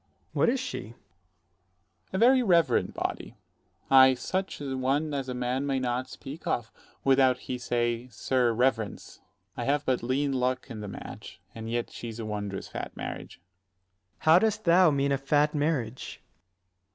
Ant. S. What is she? Dro. S. A very reverent body; ay, such a one as a man may not speak of, without he say Sir reverence. I have 90 but lean luck in the match, and yet is she a wondrous fat marriage. Ant. S. How dost thou mean a fat marriage?